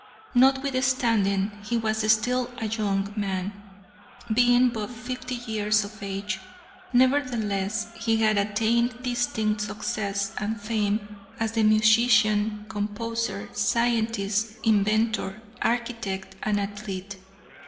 Notwithstanding he was still a young man, being but fifty years of age, nevertheless he had attained distinct success and fame as a musician, composer, scientist, inventor, architect, and athlete.